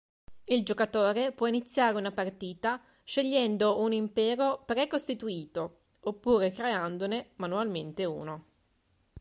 Il giocatore può iniziare una partita scegliendo un impero precostituito, oppure creandone manualmente uno.